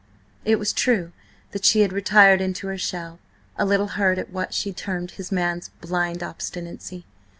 It was true that she had retired into her shell, a little hurt at what she termed his man's blind obstinacy.